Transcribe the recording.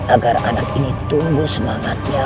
agar anak ini tumbuh semangatnya